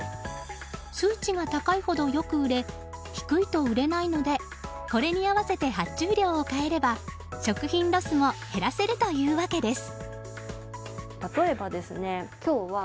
数値が高いほどよく売れ低いと売れないのでこれに合わせて発注量を変えれば食品ロスも減らせるというわけです。